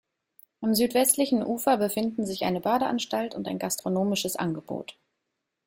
Am südwestlichen Ufer befinden sich eine Badeanstalt und ein gastronomisches Angebot.